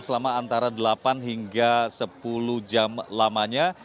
selama antara delapan hingga sepuluh jam lamanya